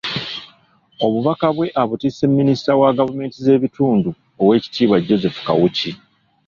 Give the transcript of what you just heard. Obubakabwe abutisse minisita wa gavumenti ez'ebitundu Oweekitibwa Joseph Kawuki.